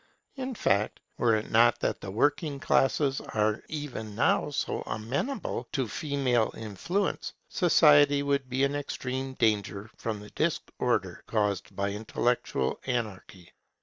In fact, were it not that the working classes are even now so amenable to female influence, society would be in extreme danger from the disorder caused by intellectual anarchy.